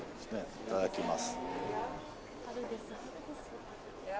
いただきます。